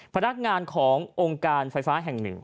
พนักงานขององค์การไฟฟ้าแห่งหนึ่ง